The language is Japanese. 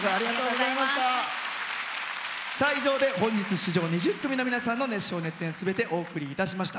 以上で本日出場者２０組の皆さんの熱唱・熱演、すべてお送りいたしました。